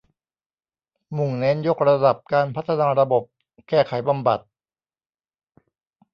มุ่งเน้นยกระดับการพัฒนาระบบ แก้ไข บำบัด